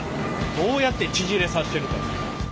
どうやって縮れさしてるか。